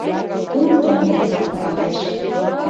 Кум том дене савыкталтеш